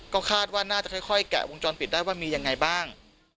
ก็คาดว่าน่าจะค่อยแกะวงจรปิดได้ว่ามียังไงบ้าง